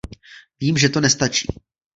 Vím, že to nestačí.